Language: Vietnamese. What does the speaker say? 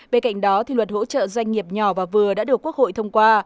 bên cạnh đó luật hỗ trợ doanh nghiệp nhỏ và vừa đã được quốc hội thông qua